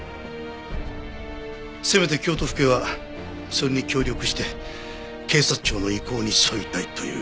せめて京都府警はそれに協力して警察庁の意向に沿いたいという。